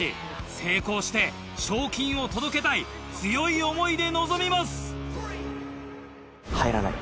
成功して賞金を届けたい強い思いで臨みます。